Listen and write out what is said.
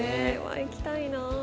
行きたいな。